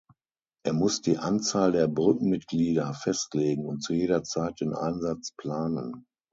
Er muss die Anzahl der Brückenmitglieder festlegen und zu jeder Zeit den Einsatz planen.